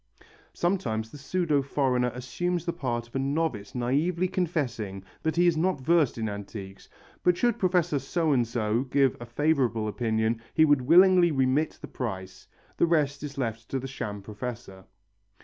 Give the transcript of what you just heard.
Sometimes the pseudo foreigner assumes the part of a novice naively confessing that he is not versed in antiques, but should Professor So and so give a favourable opinion he would willingly remit the price. The rest is left to the sham professor.